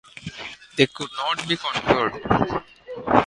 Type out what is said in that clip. They could not be conquered.